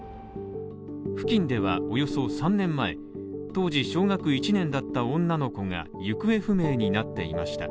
付近ではおよそ３年前、当時小学１年だった女の子が行方不明になっていました。